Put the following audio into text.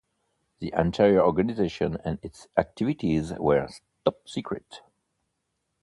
The entire organisation and its activities were top-secret.